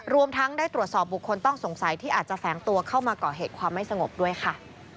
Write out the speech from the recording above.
รวมทั้งได้ตรวจสอบบุคคลต้องสงสัยที่อาจจะแฝงตัวเข้ามาก่อเหตุความไม่สงบด้วยค่ะ